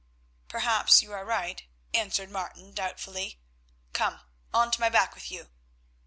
"Perhaps you are right," answered Martin doubtfully. "Come. On to my back with you."